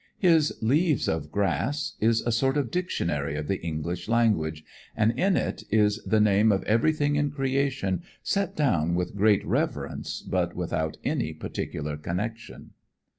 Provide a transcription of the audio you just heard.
His "Leaves of Grass" is a sort of dictionary of the English language, and in it is the name of everything in creation set down with great reverence but without any particular connection.